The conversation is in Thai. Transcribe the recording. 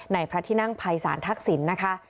พระที่นั่งภัยศาลทักษิณนะคะ